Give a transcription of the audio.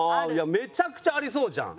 めちゃくちゃありそうじゃん。